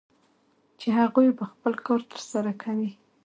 چې هغوی به خپل کار ترسره کوي